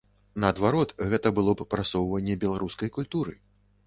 Наадварот, гэта было б прасоўванне беларускай культуры.